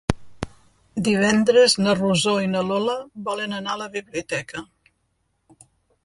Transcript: Divendres na Rosó i na Lola volen anar a la biblioteca.